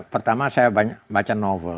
pertama saya banyak baca novel